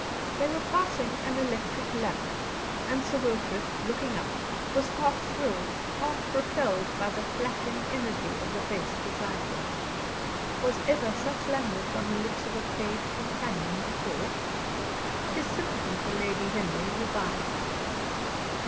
They were passing an electric lamp, and Sir Wilfrid, looking up, was half thrilled, half repelled by the flashing energy of the face beside him. Was ever such language on the lips of a paid companion before? His sympathy for Lady Henry revived.